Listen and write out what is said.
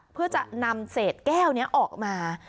เพื่อจะนำเศษแก้วนี้ออกมา